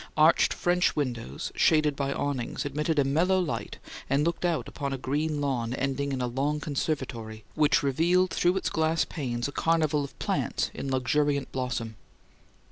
Arched French windows, shaded by awnings, admitted a mellow light and looked out upon a green lawn ending in a long conservatory, which revealed through its glass panes a carnival of plants in luxuriant blossom.